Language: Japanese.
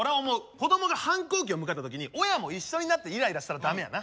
子供が反抗期を迎えた時に親も一緒になってイライラしたら駄目やな。